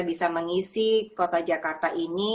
bisa mengisi kota jakarta ini